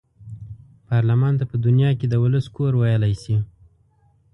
پارلمان ته په دنیا کې د ولس کور ویلای شي.